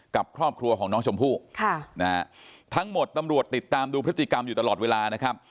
กับครอบครัวของน้องชมพู่ทั้งหมดตำรวจติดตามดูพฤติกรรมอยู่ตลอดเวลานะครับ